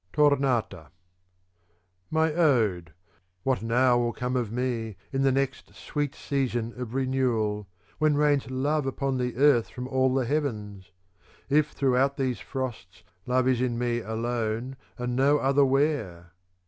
2C 402 ^iCi ►THECONVIVIO Od£ Tornata My ode, what now will come of me, in the next sweet season of renewal, when rains love upon the earth from all the heavens ; if throughout these frosts love is in me alone and no other where